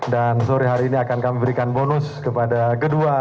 dan sore hari ini akan kami berikan bonus kepada kedua pemerintah